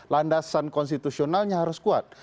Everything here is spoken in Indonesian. landasan konstitusionalnya harus kuat